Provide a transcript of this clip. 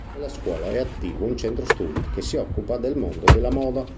Nella scuola è attivo un centro studi che si occupa del mondo della moda.